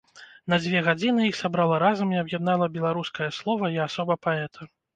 На дзве гадзіны іх сабрала разам і аб'яднала беларускае слова і асоба паэта.